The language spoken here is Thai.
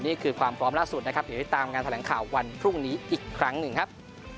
นี่คือความพร้อมล่าสุดนะครับเดี๋ยวติดตามงานแถลงข่าววันพรุ่งนี้อีกครั้งหนึ่งครับ